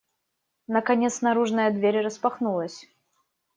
Наконец наружная дверь распахнулась.